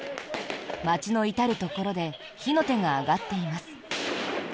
街の至るところで火の手が上がっています。